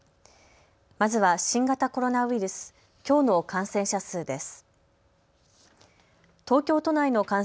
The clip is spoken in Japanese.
まずは新型コロナウイルス、きょうの感染者数です。